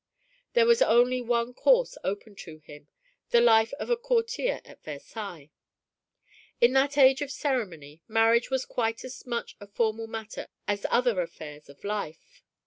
There was only one course open to him the life of a courtier at Versailles. In that age of ceremony marriage was quite as much a formal matter as other affairs of life.